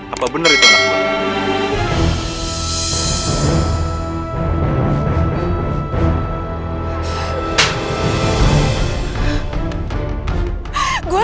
apa bener itu anak gue